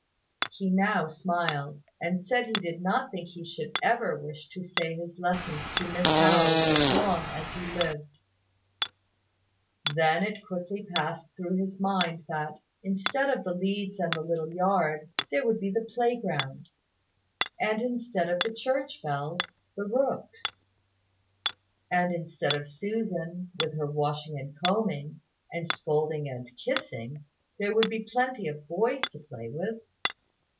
He now smiled, and said he did not think he should ever wish to say his lessons to Miss Harold as long as he lived. Then it quickly passed through his mind that, instead of the leads and the little yard, there would be the playground; and instead of the church bells, the rooks; and instead of Susan, with her washing and combing, and scolding and kissing, there would be plenty of boys to play with.